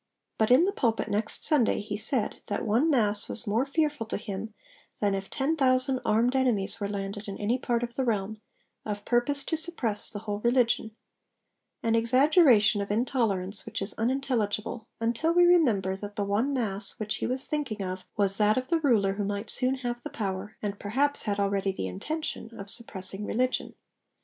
But in the pulpit 'next Sunday' he said that 'one Mass was more fearful to him than if ten thousand armed enemies were landed in any part of the realm, of purpose to suppress the whole religion' an exaggeration of intolerance which is unintelligible, until we remember that the 'one mass' which he was thinking of was that of the ruler who might soon have the power, and perhaps had already the intention, of suppressing religion.